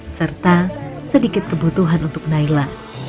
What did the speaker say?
serta sedikit kebutuhan untuk naila